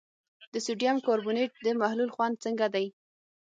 د سوډیم کاربونیټ د محلول خوند څنګه دی؟